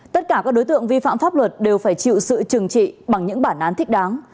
tất cả các đối tượng vi phạm pháp luật đều phải chịu sự trừng trị bằng những bản án thích đáng